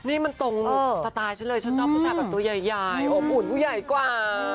นี่มันตรงสไตล์ฉันเลยฉันชอบผู้ชายแบบตัวใหญ่อบอุ่นผู้ใหญ่กว่า